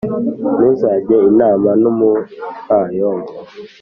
Ntuzajye inama n’umupfayongo,